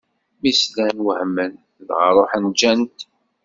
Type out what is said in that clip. Mi slan, wehmen, dɣa ṛuḥen ǧǧan-t.